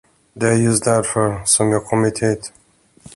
Der är just därför, som jag kommit hit.